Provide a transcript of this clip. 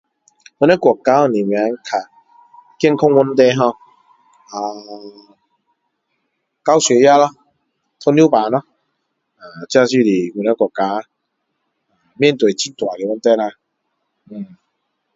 我们国家能够较健康问题 ho 呃高血压咯糖尿病咯呃这就是我们国家面对很大的问题啦嗯